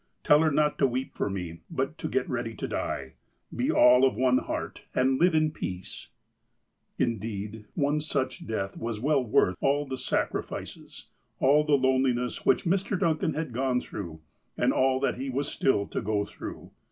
Tell her not to weep for me, but to get ready to die. Be all of one heart, and live in peace !*" Indeed, one such death was well worth all the sacri fices, all the loneliness, which Mr. Duncan had gone througli, and all he was still to go through.